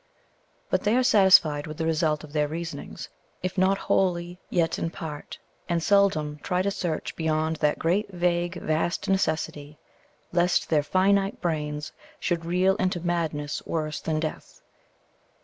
but they are satisfied with the result of their reasonings, if not wholly, yet in part, and seldom try to search beyond that great vague vast Necessity, lest their finite brains should reel into madness worse than death.